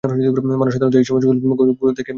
মানুষ সাধারণত এই সমস্যাগুলো থেকে পালিয়ে বেড়ায়।